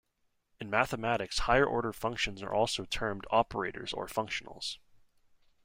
In mathematics higher-order functions are also termed "operators" or "functionals".